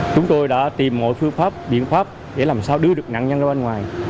chúng tôi đã tìm mọi phương pháp biện pháp để làm sao đưa được nạn nhân ra bên ngoài